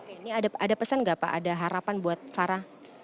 ini ada pesan enggak pak ada harapan buat fara